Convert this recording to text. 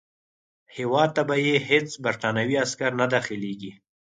هیواد ته به یې هیڅ برټانوي عسکر نه داخلیږي.